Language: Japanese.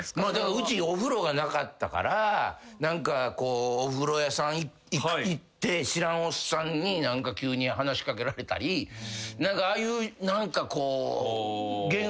うちお風呂がなかったから何かお風呂屋さん行って知らんおっさんに急に話し掛けられたり何かああいう何かこう原風景というか。